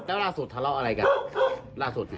แล้วล่าสุดทะเลาะอะไรกันล่าสุดสิ